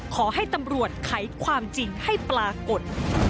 ขอให้ตำรวจไขความจริงให้ปรากฏ